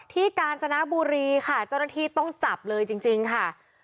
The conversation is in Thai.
ที่การจนากบุรีค่ะเจ้าหน้าที่ต้องจับเลยจริงจริงค่ะ